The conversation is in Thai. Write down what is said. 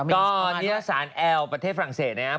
ก็นิทยาศาสตร์แอลประเทศฝรั่งเศสนะฮะ